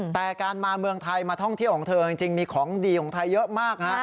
แต่การมาเมืองไทยมาท่องเที่ยวของเธอจริงมีของดีของไทยเยอะมากฮะ